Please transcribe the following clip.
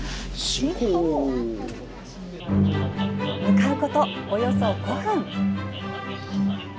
向かうこと、およそ５分。